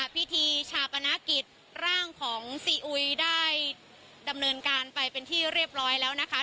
พิธีชาปนกิจร่างของซีอุยได้ดำเนินการไปเป็นที่เรียบร้อยแล้วนะคะ